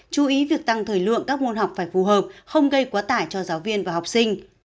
chú ý việc tăng thời lượng các môn học phải phù hợp không gây quá tải cho giáo viên và học sinh